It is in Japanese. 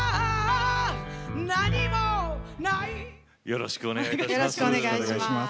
よろしくお願いします。